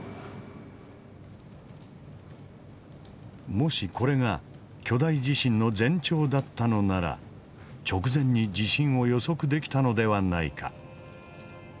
もしこれが巨大地震の前兆だったのなら直前に地震を予測できたのではないか。